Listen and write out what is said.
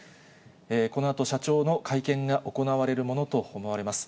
このあと社長の会見が行われるものと思われます。